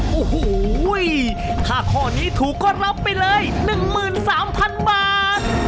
โอ้โหถ้าข้อนี้ถูกก็รับไปเลย๑๓๐๐๐บาท